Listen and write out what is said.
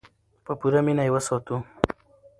په پوره مینه یې وساتو.